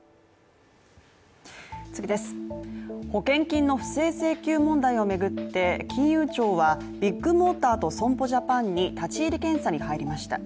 保険金の不正請求問題を巡って金融庁はビッグモーターと損保ジャパンに立ち入り検査に入りました。